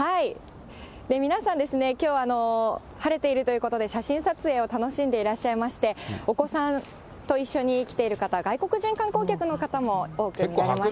皆さん、きょうは晴れているということで、写真撮影を楽しんでいらっしゃいまして、お子さんと一緒に来ている方、外国人観光客の方も多く見られました。